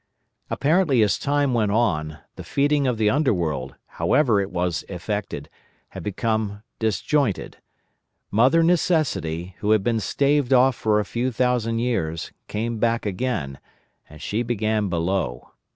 Apparently as time went on, the feeding of an Underworld, however it was effected, had become disjointed. Mother Necessity, who had been staved off for a few thousand years, came back again, and she began below.